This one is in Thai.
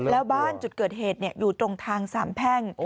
แล้วบ้านจุดเกิดเหตุอยู่ตรงทางสามแพ่ง